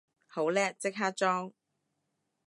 好叻，即刻裝